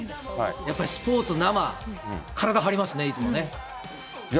やっぱりスポーツ、生、体張りますね、いつもね。